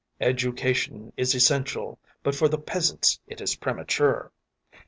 ‘Education is essential, but for the peasants it is premature.